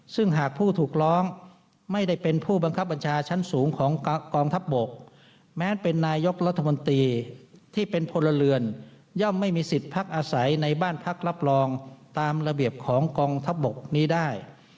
ซึ่งหากผู้ถูกร้องไม่ได้เป็นผู้บังคับบัญชาชั้นสูงของกองทัพบกแม้เป็นนายกรัฐมนตรีที่เป็นพลเรือนย่อมไม่มีสิทธิ์พักอาศัยในบ้านพักรับรองตามระเบียบของกองทัพบกนี้ได้